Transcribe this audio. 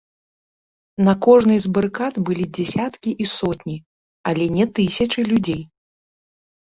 На кожнай з барыкад былі дзясяткі і сотні, але не тысячы людзей.